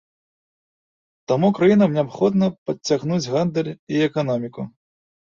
Таму краінам неабходна падцягнуць гандаль і эканоміку.